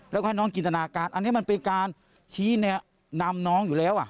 แล้วก็ให้น้องจินตนาการอันนี้มันเป็นการชี้แนะนำน้องอยู่แล้ว